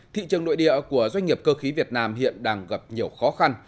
thị trường nội địa của doanh nghiệp cơ khí việt nam hiện đang gặp nhiều khó khăn